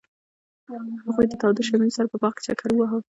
هغوی د تاوده شمیم سره په باغ کې چکر وواهه.